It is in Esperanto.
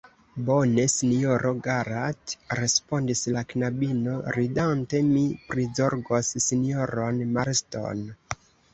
Bone, sinjoro Garrat, respondis la knabino, ridante, mi prizorgos sinjoron Marston.